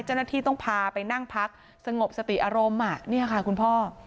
เจ้าหน้าที่ต้องพาไปนั่งพักสงบสติอารมณ์นี่ค่ะคุณพ่อ